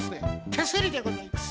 手すりでございます。